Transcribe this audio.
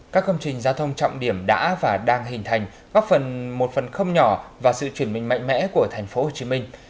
các công trình giao thông trọng điểm đã và đang hình thành góp phần một phần không nhỏ vào sự chuyển mình mạnh mẽ của thành phố hồ chí minh